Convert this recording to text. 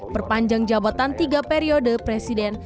perpanjang jabatan tiga periode presiden